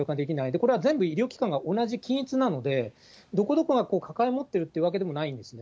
これは全部医療機関が同じ、均一なので、どこどこが抱え持ってるというわけでもないんですよね。